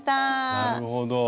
なるほど。